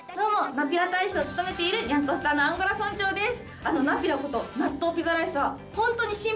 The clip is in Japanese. ナピラ大使を務めているにゃんこスターのアンゴラ村長です！